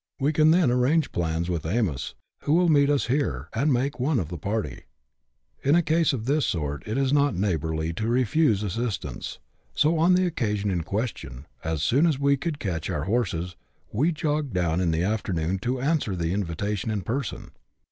We can then arrange plans with " Amos," who will meet us here, and make one of the party. In a case of this sort it is not neighbourly to refuse assistance ; 96 BUSH LIFE IN AUSTRALIA. ^; [chap. ix. so, on the occasion in question, as soon as we could catch our horses, we jogged down in the afternoon to answer the invitation in person.